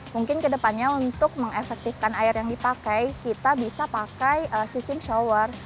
mungkin kedepannya untuk mengefektifkan air yang dipakai kita bisa pakai sistem shower